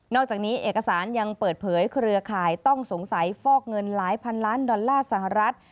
อกจากนี้เอกสารยังเปิดเผยเครือข่ายต้องสงสัยฟอกเงินหลายพันล้านดอลลาร์สหรัฐ